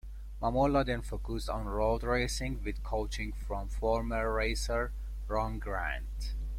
Mamola then focused on road racing with coaching from former racer, Ron Grant.